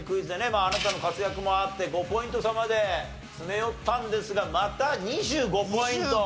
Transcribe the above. まああなたの活躍もあって５ポイント差まで詰め寄ったんですがまた２５ポイント。